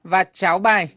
và cháo bài